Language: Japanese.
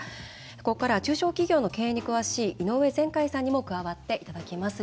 ここからは中小企業の経営に詳しい井上善海さんにも加わっていただきます。